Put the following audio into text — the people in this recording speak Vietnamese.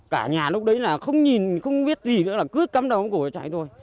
cả nhà lúc đấy là không nhìn không biết gì nữa là cứ cắm đầu cổ chạy thôi